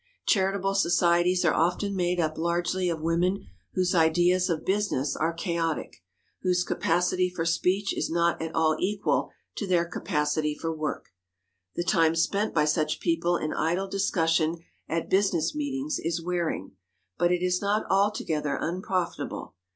Charitable societies are often made up largely of women whose ideas of business are chaotic, whose capacity for speech is not at all equal to their capacity for work. The time spent by such people in idle discussion at business meetings is wearing, but it is not altogether unprofitable.